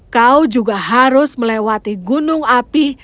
kau juga harus melewati gunung api